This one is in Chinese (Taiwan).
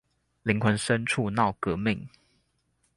靈魂深處鬧革命